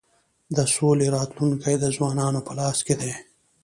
د سولی راتلونکی د ځوانانو په لاس کي دی.